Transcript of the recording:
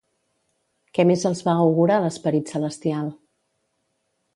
Què més els va augurar l'esperit celestial?